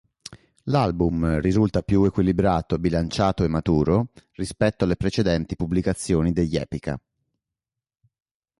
L'album risulta più equilibrato, bilanciato e maturo rispetto alle precedenti pubblicazioni degli Epica.